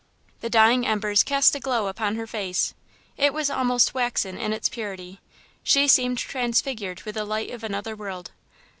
The dying embers cast a glow upon her face. It was almost waxen in its purity; she seemed transfigured with the light of another world.